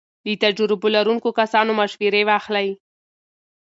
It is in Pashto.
له تجربو لرونکو کسانو مشورې واخلئ.